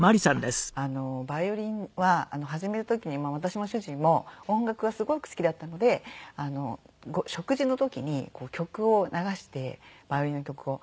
あのヴァイオリンは始める時に私も主人も音楽がすごく好きだったので食事の時に曲を流してヴァイオリンの曲を。